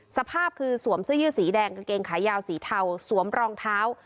สภาพคือสวมเสื้อยืดสีแดงกางเกงขายาวสีเทาสวมรองเท้า